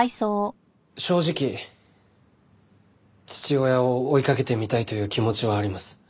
正直父親を追いかけてみたいという気持ちはあります。